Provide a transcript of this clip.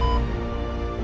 ya allah papa